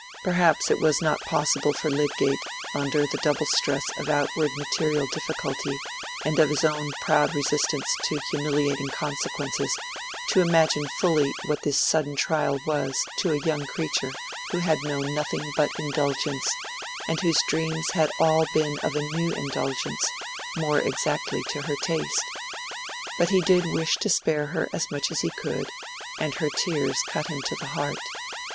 Perhaps it was not possible for Lydgate, under the double stress of outward material difficulty and of his own proud resistance to humiliating consequences, to imagine fully what this sudden trial was to a young creature who had known nothing but indulgence, and whose dreams had all been of new indulgence, more exactly to her taste. But he did wish to spare her as much as he could, and her tears cut him to the heart.